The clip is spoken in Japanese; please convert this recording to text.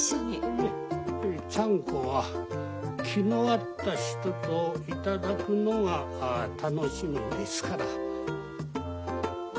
いえちゃんこは気の合った人と頂くのが楽しみですから。